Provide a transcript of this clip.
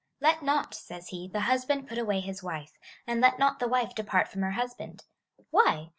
Let not, says he, the husband put away his wife, and let not the wife depart from her husband. Why